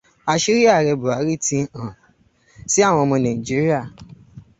Àṣírí ààrẹ Bùhárí ti hàn sí àwọn ọmọ Nàíjíríà.